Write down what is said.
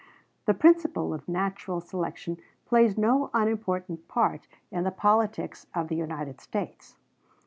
The principle of natural selection plays no unimportant part in the politics of the United States.